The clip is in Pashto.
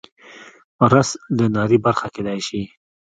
رس د ناري برخه کیدی شي